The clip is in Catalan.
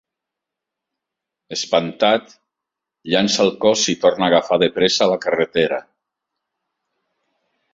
Espantat, llança el cos i torna a agafar de pressa la carretera.